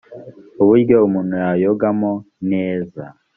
uburyo umuntu yayogamo neza